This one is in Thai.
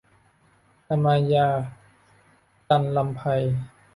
อมาญาส์ - จันทรำไพ